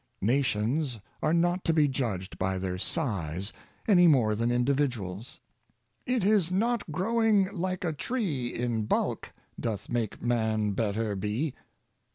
Nations are not to oe judged by their size any more than individuals: " It is not growing like a tree In bulk, doth make Man better be."